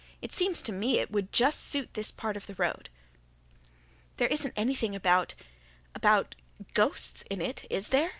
It seems to me it would just suit this part of the road." "There isn't anything about about ghosts in it, is there?"